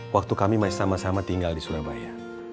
waktu kami masih sama sama tinggal di surabaya